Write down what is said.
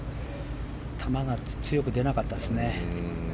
球が強く出なかったですね。